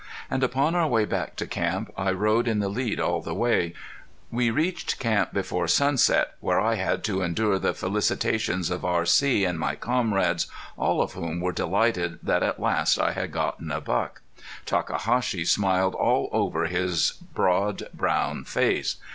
And upon our way back to camp I rode in the lead all the way. We reached camp before sunset, where I had to endure the felicitations of R.C. and my comrades, all of whom were delighted that at last I had gotten a buck. Takahashi smiled all over his broad brown face.